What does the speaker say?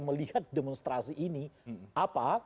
melihat demonstrasi ini apa